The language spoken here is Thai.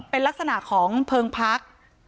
เป็นลักษณะของเพลิงพัก